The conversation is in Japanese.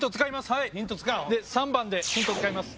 ３番でヒント使います。